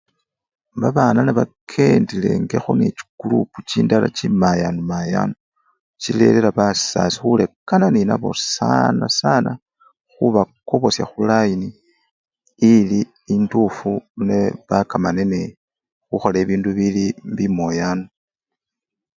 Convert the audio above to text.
Babana nebakendelengakho nechikurupu chindala chimayani mayani chirerera basasi khurekana nenabo sana sana khubakobosya khulayini ili endufu nebakamane nee khukhola ebindu bili bimoyani.